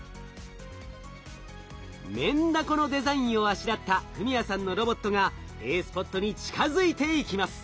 メンダコのデザインをあしらった史哉さんのロボットがＡスポットに近づいていきます。